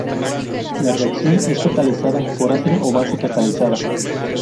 La reacción es catalizada por ácido o base catalizada.